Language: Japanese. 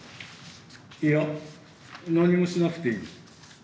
いや何もしなくていい。